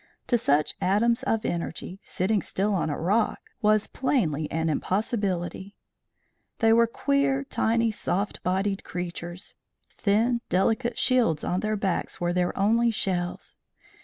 To such atoms of energy, sitting still on a rock was plainly an impossibility. They were queer, tiny, soft bodied creatures. Thin, delicate shields on their backs were their only shells.